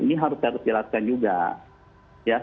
ini harus saya jelaskan juga ya